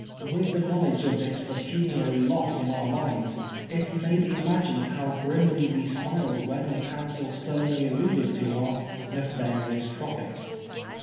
With the knowledge of this pecuniary loss in our minds, it may be imagined how grimly we smiled when the counsel sternly alluded to our "nefarious profits."